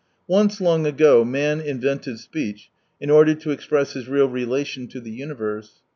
Once, long ago "man invented speech in order to express his real relation to the universe."